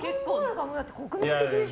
国民的でしょ。